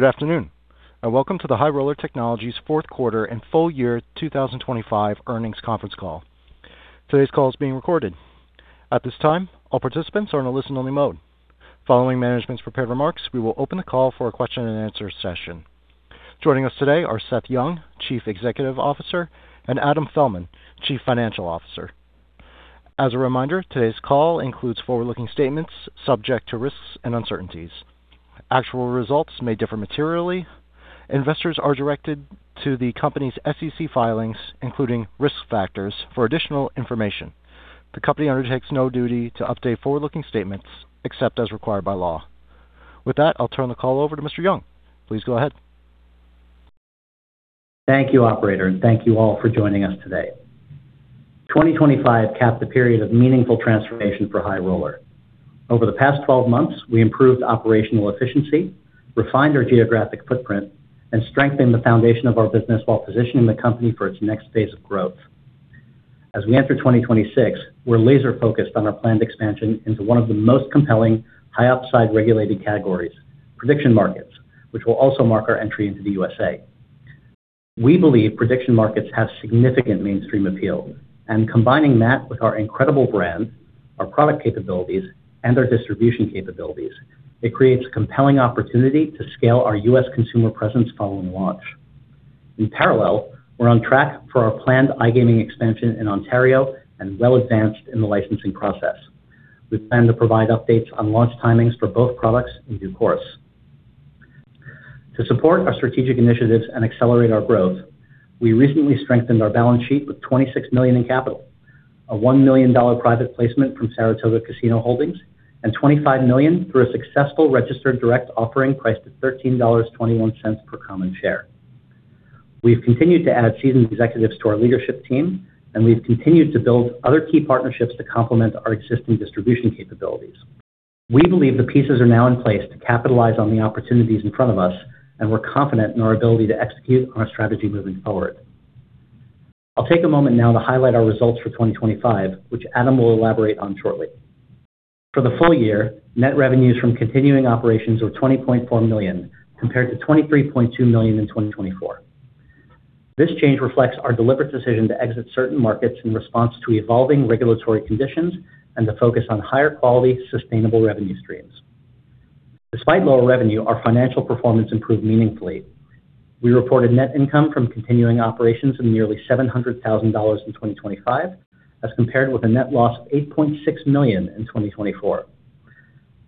Good afternoon, and welcome to the High Roller Technologies fourth quarter and full year 2025 earnings conference call. Today's call is being recorded. At this time, all participants are in a listen-only mode. Following management's prepared remarks, we will open the call for a question-and-answer session. Joining us today are Seth Young, Chief Executive Officer, and Adam Felman, Chief Financial Officer. As a reminder, today's call includes forward-looking statements subject to risks and uncertainties. Actual results may differ materially. Investors are directed to the company's SEC filings, including risk factors, for additional information. The company undertakes no duty to update forward-looking statements except as required by law. With that, I'll turn the call over to Mr. Young. Please go ahead. Thank you, operator, and thank you all for joining us today. 2025 capped a period of meaningful transformation for High Roller. Over the past 12 months, we improved operational efficiency, refined our geographic footprint, and strengthened the foundation of our business while positioning the company for its next phase of growth. As we enter 2026, we're laser-focused on our planned expansion into one of the most compelling high upside regulated categories, prediction markets, which will also mark our entry into the USA. We believe prediction markets have significant mainstream appeal, and combining that with our incredible brand, our product capabilities, and our distribution capabilities, it creates compelling opportunity to scale our U.S. consumer presence following launch. In parallel, we're on track for our planned iGaming expansion in Ontario and well-advanced in the licensing process. We plan to provide updates on launch timings for both products in due course. To support our strategic initiatives and accelerate our growth, we recently strengthened our balance sheet with $26 million in capital, a $1 million private placement from Saratoga Casino Holdings, and $25 million through a successful registered direct offering priced at $13.21 per common share. We've continued to add seasoned executives to our leadership team, and we've continued to build other key partnerships to complement our existing distribution capabilities. We believe the pieces are now in place to capitalize on the opportunities in front of us, and we're confident in our ability to execute on our strategy moving forward. I'll take a moment now to highlight our results for 2025, which Adam will elaborate on shortly. For the full year, net revenues from continuing operations were $20.4 million, compared to $23.2 million in 2024. This change reflects our deliberate decision to exit certain markets in response to evolving regulatory conditions and to focus on higher-quality, sustainable revenue streams. Despite lower revenue, our financial performance improved meaningfully. We reported net income from continuing operations of nearly $700,000 in 2025, as compared with a net loss of $8.6 million in 2024.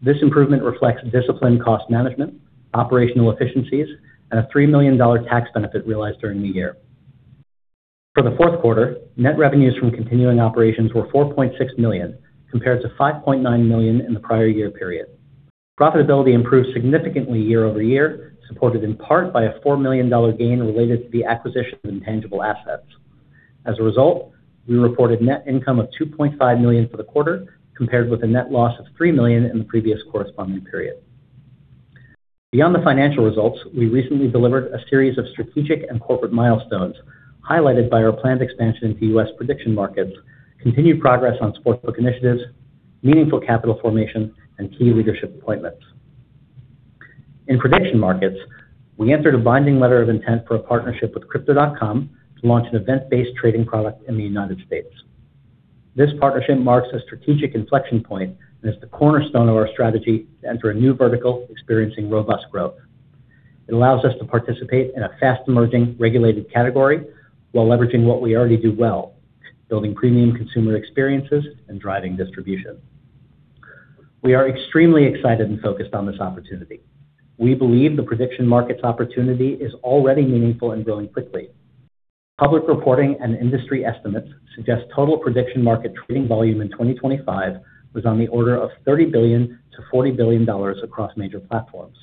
This improvement reflects disciplined cost management, operational efficiencies, and a $3 million tax benefit realized during the year. For the fourth quarter, net revenues from continuing operations were $4.6 million, compared to $5.9 million in the prior year period. Profitability improved significantly year-over-year, supported in part by a $4 million gain related to the acquisition of intangible assets. As a result, we reported net income of $2.5 million for the quarter, compared with a net loss of $3 million in the previous corresponding period. Beyond the financial results, we recently delivered a series of strategic and corporate milestones, highlighted by our planned expansion into U.S. prediction markets, continued progress on sportsbook initiatives, meaningful capital formation, and key leadership appointments. In prediction markets, we entered a binding letter of intent for a partnership with Crypto.com to launch an event-based trading product in the United States. This partnership marks a strategic inflection point and is the cornerstone of our strategy to enter a new vertical experiencing robust growth. It allows us to participate in a fast-emerging regulated category while leveraging what we already do well, building premium consumer experiences and driving distribution. We are extremely excited and focused on this opportunity. We believe the prediction markets opportunity is already meaningful and growing quickly. Public reporting and industry estimates suggest total prediction market trading volume in 2025 was on the order of $30 billion-$40 billion across major platforms.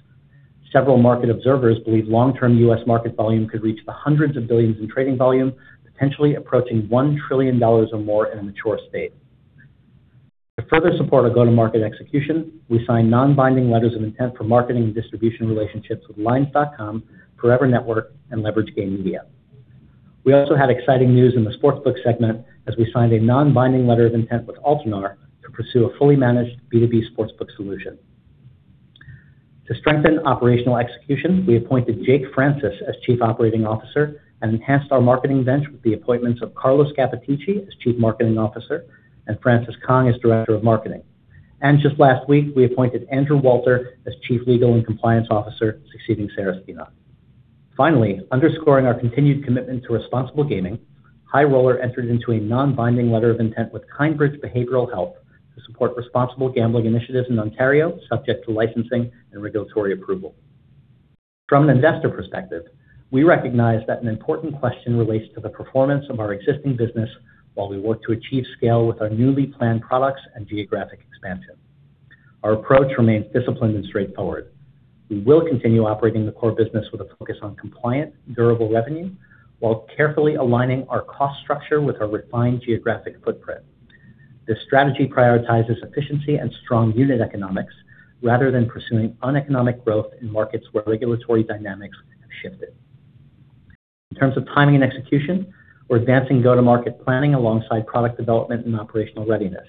Several market observers believe long-term U.S. market volume could reach the hundreds of billions in trading volume, potentially approaching $1 trillion or more in a mature state. To further support our go-to-market execution, we signed non-binding letters of intent for marketing and distribution relationships with Lines.com, Forever Network, and Leverage Game Media. We also had exciting news in the sportsbook segment as we signed a non-binding letter of intent with Altenar to pursue a fully managed B2B sportsbook solution. To strengthen operational execution, we appointed Jake Francis as Chief Operating Officer and enhanced our marketing bench with the appointments of Carlos Capetillo as Chief Marketing Officer and Frances Cong as Director of Marketing. Just last week, we appointed Andrew Walter as Chief Legal and Compliance Officer, succeeding Sarah Stienon. Finally, underscoring our continued commitment to responsible gaming, High Roller entered into a non-binding letter of intent with Kindbridge Behavioral Health to support responsible gambling initiatives in Ontario, subject to licensing and regulatory approval. From an investor perspective, we recognize that an important question relates to the performance of our existing business while we work to achieve scale with our newly planned products and geographic expansion. Our approach remains disciplined and straightforward. We will continue operating the core business with a focus on compliant, durable revenue while carefully aligning our cost structure with our refined geographic footprint. This strategy prioritizes efficiency and strong unit economics rather than pursuing uneconomic growth in markets where regulatory dynamics have shifted. In terms of timing and execution, we're advancing go-to-market planning alongside product development and operational readiness.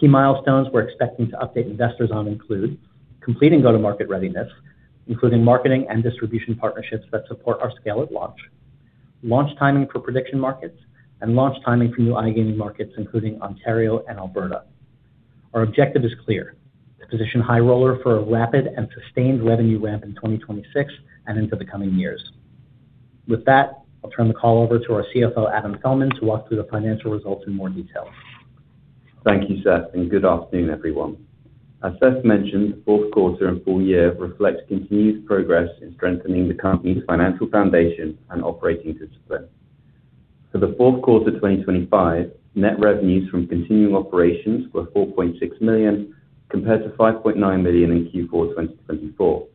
Key milestones we're expecting to update investors on include completing go-to-market readiness, including marketing and distribution partnerships that support our scale at launch timing for prediction markets, and launch timing for new iGaming markets, including Ontario and Alberta. Our objective is clear to position High Roller for a rapid and sustained revenue ramp in 2026 and into the coming years. With that, I'll turn the call over to our CFO, Adam Felman, to walk through the financial results in more detail. Thank you, Seth, and good afternoon, everyone. As Seth mentioned, fourth quarter and full year reflect continued progress in strengthening the company's financial foundation and operating discipline. For the fourth quarter of 2025, net revenues from continuing operations were $4.6 million, compared to $5.9 million in Q4 2024.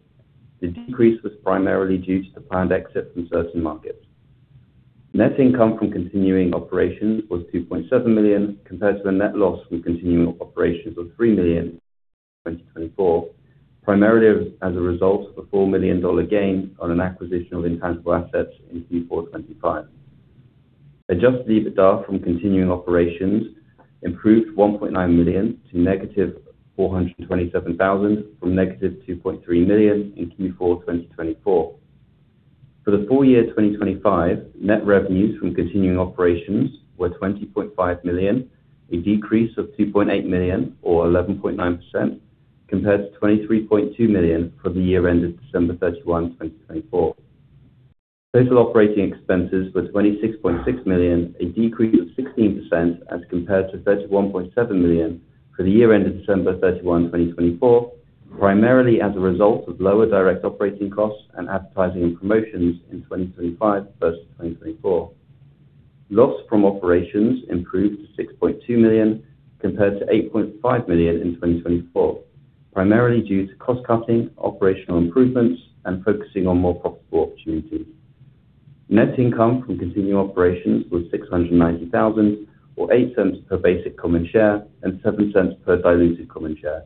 The decrease was primarily due to the planned exit from certain markets. Net income from continuing operations was $2.7 million, compared to a net loss from continuing operations of $3 million in 2024, primarily as a result of a $4 million gain on an acquisition of intangible assets in Q4 2025. Adjusted EBITDA from continuing operations improved $1.9 million to -$427,000 from -$2.3 million in Q4 2024. For the full year 2025, net revenues from continuing operations were $20.5 million, a decrease of $2.8 million or 11.9% compared to $23.2 million for the year ended December 31st, 2024. Total operating expenses were $26.6 million, a decrease of 16% as compared to $31.7 million for the year ended December 31st, 2024, primarily as a result of lower direct operating costs and advertising and promotions in 2025 versus 2024. Loss from operations improved to $6.2 million compared to $8.5 million in 2024, primarily due to cost-cutting, operational improvements, and focusing on more profitable opportunities. Net income from continuing operations was $690,000 or $0.08 per basic common share and $0.07 per diluted common share,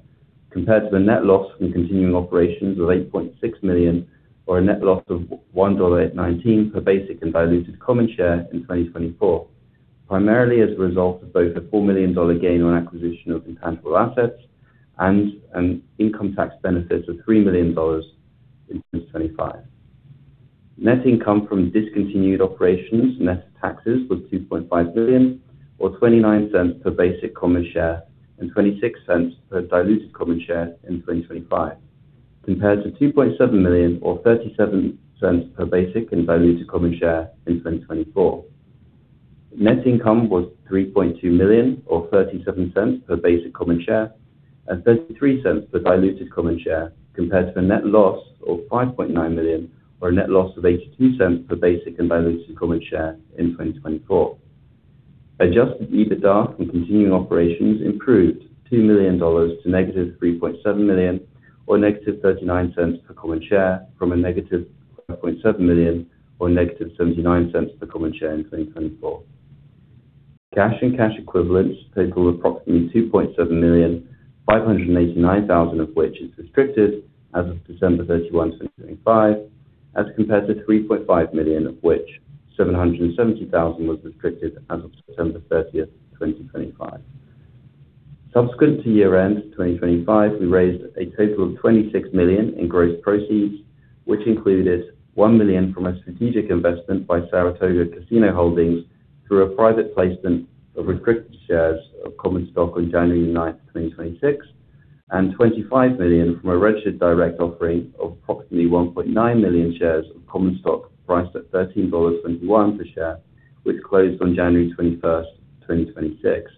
compared to the net loss from continuing operations of $8.6 million or a net loss of $1.89 per basic and diluted common share in 2024, primarily as a result of both a $4 million gain on acquisition of intangible assets and an income tax benefit of $3 million in 2025. Net income from discontinued operations, net of taxes, was $2.5 million or $0.29 per basic common share and $0.26 per diluted common share in 2025, compared to $2.7 million or $0.37 per basic and diluted common share in 2024. Net income was $3.2 million or $0.37 per basic common share and $0.33 per diluted common share compared to a net loss of $5.9 million or a net loss of $0.82 per basic and diluted common share in 2024. Adjusted EBITDA from continuing operations improved $2 million to -$3.7 million or -$0.39 per common share from -$0.7 million or -$0.79 per common share in 2024. Cash and cash equivalents total approximately $2.7 million, $589,000 of which is restricted as of December 31st, 2025, as compared to $3.5 million, of which $770,000 was restricted as of September 30th, 2025. Subsequent to year-end 2025, we raised a total of $26 million in gross proceeds, which included $1 million from a strategic investment by Saratoga Casino Holdings through a private placement of restricted shares of common stock on January 9th, 2026, and $25 million from a registered direct offering of approximately 1.9 million shares of common stock priced at $13.21 per share, which closed on January 21st, 2026.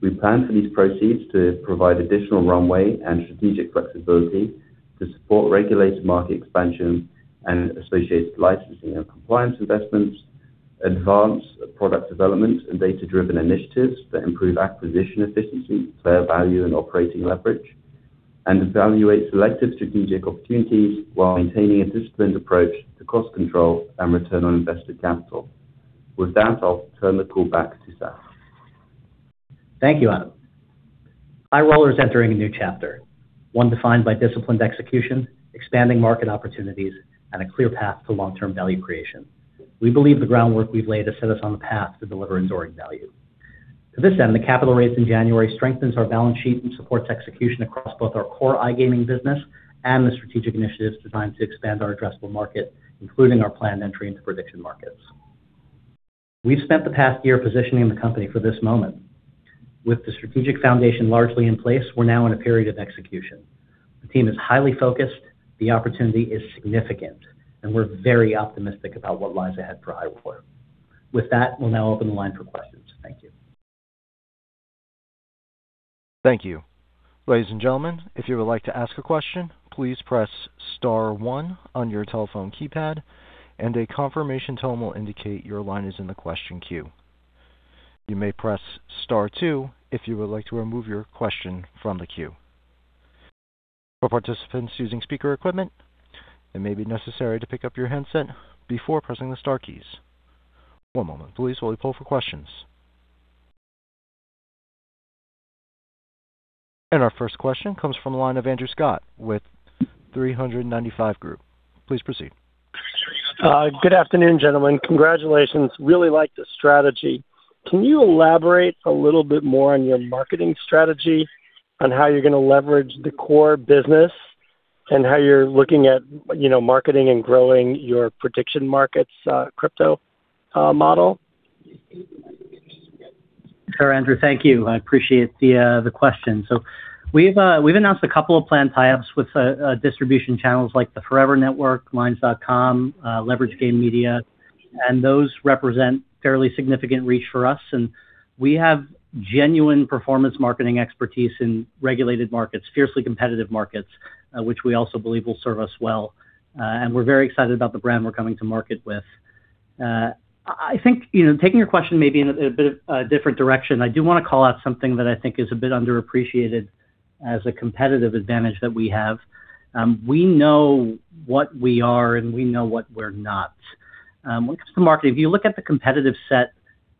We plan for these proceeds to provide additional runway and strategic flexibility to support regulated market expansion and associated licensing and compliance investments, advance product development and data-driven initiatives that improve acquisition efficiency, player value, and operating leverage, and evaluate selected strategic opportunities while maintaining a disciplined approach to cost control and return on invested capital. With that, I'll turn the call back to Seth. Thank you, Adam. High Roller is entering a new chapter, one defined by disciplined execution, expanding market opportunities, and a clear path to long-term value creation. We believe the groundwork we've laid has set us on the path to deliver enduring value. To this end, the capital raise in January strengthens our balance sheet and supports execution across both our core iGaming business and the strategic initiatives designed to expand our addressable market, including our planned entry into prediction markets. We've spent the past year positioning the company for this moment. With the strategic foundation largely in place, we're now in a period of execution. The team is highly focused. The opportunity is significant, and we're very optimistic about what lies ahead for High Roller. With that, we'll now open the line for questions. Thank you. Thank you. Ladies and gentlemen, if you would like to ask a question, please press star one on your telephone keypad and a confirmation tone will indicate your line is in the question queue. You may press star two if you would like to remove your question from the queue. For participants using speaker equipment, it may be necessary to pick up your handset before pressing the star keys. One moment please while we pull for questions. Our first question comes from the line of Andrew Scott with 395 Group. Please proceed. Good afternoon, gentlemen. Congratulations. Really like the strategy. Can you elaborate a little bit more on your marketing strategy, on how you're gonna leverage the core business, and how you're looking at, you know, marketing and growing your prediction markets, crypto, model? Sure, Andrew. Thank you. I appreciate the question. We've announced a couple of planned tie-ups with distribution channels like the Forever Network, Lines.com, Leverage Game Media, and those represent fairly significant reach for us. We have genuine performance marketing expertise in regulated markets, fiercely competitive markets, which we also believe will serve us well, and we're very excited about the brand we're coming to market with. I think, you know, taking your question maybe in a bit of a different direction, I do wanna call out something that I think is a bit underappreciated as a competitive advantage that we have. We know what we are, and we know what we're not. When it comes to market, if you look at the competitive set,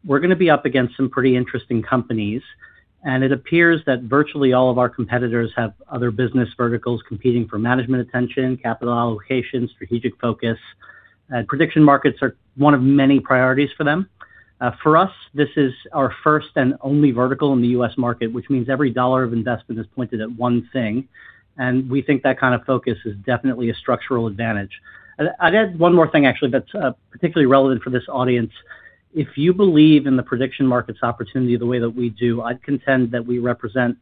we're gonna be up against some pretty interesting companies. It appears that virtually all of our competitors have other business verticals competing for management attention, capital allocation, strategic focus. Prediction markets are one of many priorities for them. For us, this is our first and only vertical in the U.S. market, which means every dollar of investment is pointed at one thing, and we think that kind of focus is definitely a structural advantage. I'd add one more thing actually that's particularly relevant for this audience. If you believe in the prediction markets opportunity the way that we do, I'd contend that we represent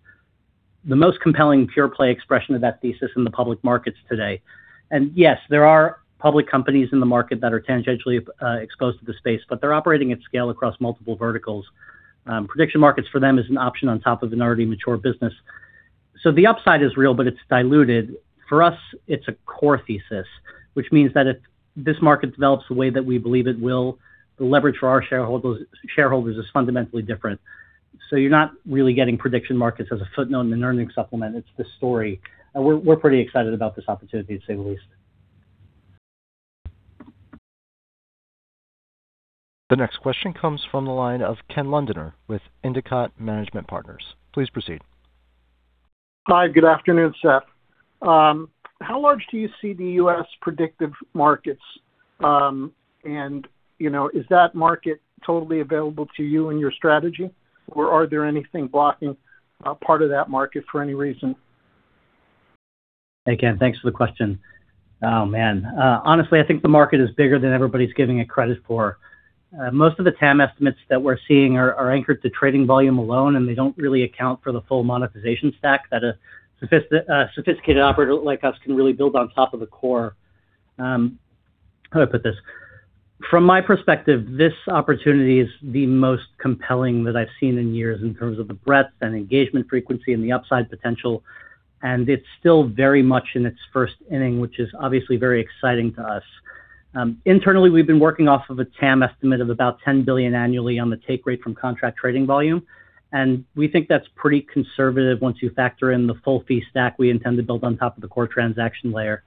the most compelling pure play expression of that thesis in the public markets today. Yes, there are public companies in the market that are tangentially exposed to the space, but they're operating at scale across multiple verticals. Prediction markets for them is an option on top of an already mature business. The upside is real, but it's diluted. For us, it's a core thesis, which means that if this market develops the way that we believe it will, the leverage for our shareholders is fundamentally different. You're not really getting prediction markets as a footnote, an earnings supplement. It's the story. We're pretty excited about this opportunity, to say the least. The next question comes from the line of Ken Londoner with Endicott Management Partners. Please proceed. Hi. Good afternoon, Seth. How large do you see the U.S. prediction markets? You know, is that market totally available to you and your strategy, or are there anything blocking part of that market for any reason? Hey, Ken. Thanks for the question. Oh, man. Honestly, I think the market is bigger than everybody's giving it credit for. Most of the TAM estimates that we're seeing are anchored to trading volume alone, and they don't really account for the full monetization stack that a sophisticated operator like us can really build on top of the core. How do I put this? From my perspective, this opportunity is the most compelling that I've seen in years in terms of the breadth and engagement frequency and the upside potential, and it's still very much in its first inning, which is obviously very exciting to us. Internally, we've been working off of a TAM estimate of about $10 billion annually on the take rate from contract trading volume, and we think that's pretty conservative once you factor in the full fee stack we intend to build on top of the core transaction layer.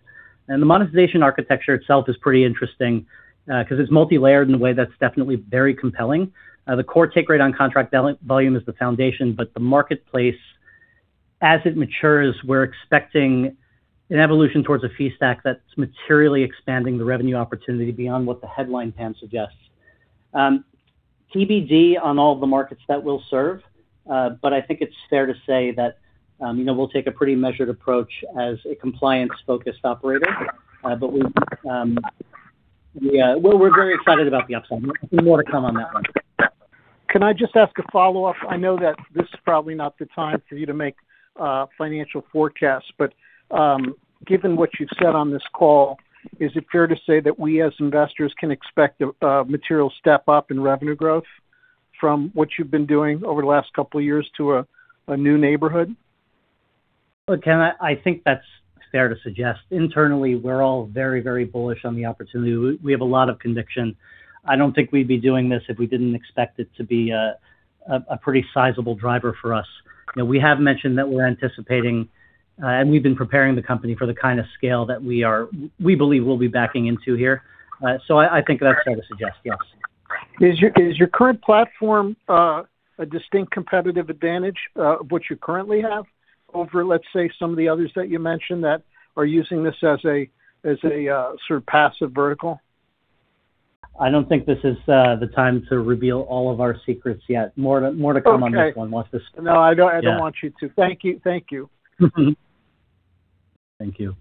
The monetization architecture itself is pretty interesting, 'cause it's multilayered in a way that's definitely very compelling. The core take rate on contract volume is the foundation, but the marketplace, as it matures, we're expecting an evolution towards a fee stack that's materially expanding the revenue opportunity beyond what the headline TAM suggests. TBD on all the markets that we'll serve, but I think it's fair to say that, you know, we'll take a pretty measured approach as a compliance-focused operator. We've, yeah, we're very excited about the upside. More to come on that one. Can I just ask a follow-up? I know that this is probably not the time for you to make financial forecasts, but, given what you've said on this call, is it fair to say that we as investors can expect a material step-up in revenue growth from what you've been doing over the last couple of years to a new neighborhood? Look, Ken, I think that's fair to suggest. Internally, we're all very, very bullish on the opportunity. We have a lot of conviction. I don't think we'd be doing this if we didn't expect it to be a pretty sizable driver for us. You know, we have mentioned that we're anticipating, and we've been preparing the company for the kind of scale that we believe we'll be backing into here. I think that's fair to suggest, yes. Is your current platform a distinct competitive advantage of what you currently have over, let's say, some of the others that you mentioned that are using this as a sort of passive vertical? I don't think this is the time to reveal all of our secrets yet. More to come on this one once this- Okay. No, I don't want you to. Yeah. Thank you. Thank you. Thank you.